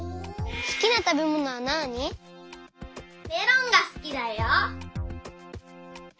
メロンがすきだよ。